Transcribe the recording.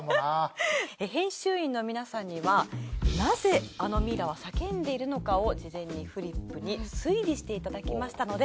編集員の皆さんにはなぜあのミイラは叫んでいるのかを事前にフリップに推理していただきましたので。